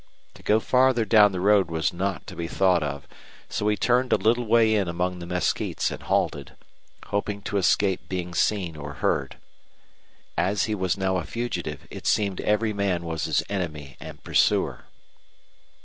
To go farther down the road was not to be thought of, so he turned a little way in among the mesquites and halted, hoping to escape being seen or heard. As he was now a fugitive, it seemed every man was his enemy and pursuer.